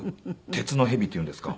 鉄の蛇っていうんですか？